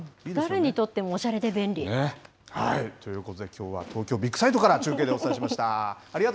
誰にとっても、おしゃれで便利。ということできょうは、東京ビッグサイトから中継でお伝えしました。